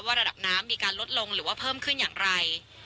ระดับน้ำมีการลดลงหรือว่าเพิ่มขึ้นอย่างไร